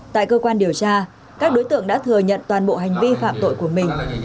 tại cơ quan điều tra các đối tượng đã thừa nhận toàn bộ hành vi phạm tội của mình